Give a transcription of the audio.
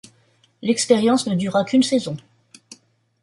L'expérience ne dura qu'une saison.